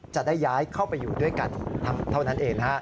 จะได้ย้ายเข้าไปอยู่ด้วยกันเท่านั้นเอง